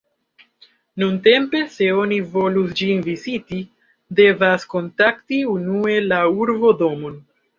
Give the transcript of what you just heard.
Nuntempe, se oni volus ĝin viziti, devas kontakti unue la urbo-domon.